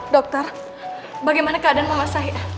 dokter bagaimana keadaan mama saya